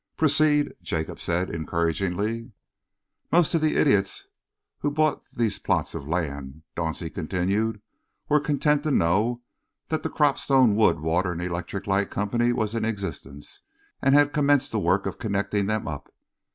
"Proceed," Jacob said encouragingly. "Most of the idiots who bought these plots of land," Dauncey continued, "were content to know that the Cropstone Wood, Water and Electric Light Company was in existence and had commenced the work of connecting them up.